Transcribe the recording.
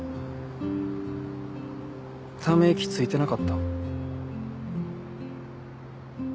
ため息ついてなかった？